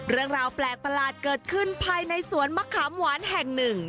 เรื่องราวแปลกประหลาดเกิดขึ้นภายในสวนมะขามหวานแห่งหนึ่ง